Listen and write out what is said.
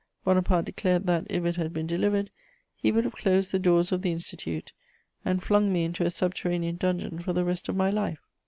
Bonaparte declared that, if it had been delivered, he would have closed the doors of the Institute and flung me into a subterranean dungeon for the rest of my life.